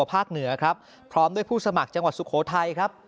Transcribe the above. ภาคเหนือครับพร้อมด้วยผู้สมัครจังหวัดสุโขทัยครับ